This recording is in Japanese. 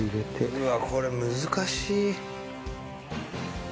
うわっこれ難しい。